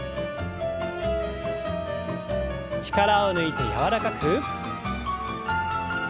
力を抜いて柔らかく。